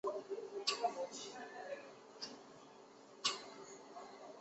该城镇为普拉县的首府。